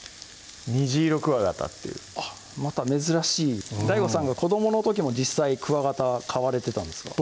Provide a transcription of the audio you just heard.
ニジイロクワガタっていうまた珍しいＤＡＩＧＯさんが子どもの時も実際クワガタ飼われてたんですか？